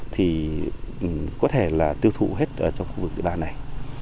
thì có thể là tiêu thụ hết ở trong khu vực địa bàn này